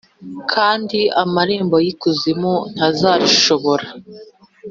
kandi amarembo y’ikuzimu ntazarishobora.’